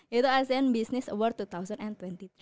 yaitu asean business award dua ribu dua puluh tiga